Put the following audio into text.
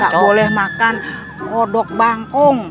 mak gak boleh makan kodok bangkung